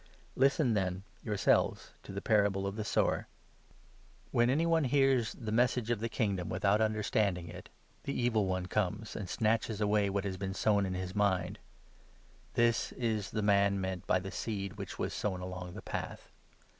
Listen, then, yourselvesto the parable of the Sower. When 18, any one hears the Message of the Kingdom without under 14 15 Isa. 6. 9—10. 66 MATTHEW, 13. standing it, the Evil One comes and snatches away what has been sown in his mind. This is the man meant by the seed which was sown along the path.